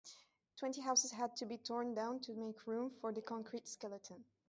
Twenty houses had to be torn down to make room for the concrete skeleton.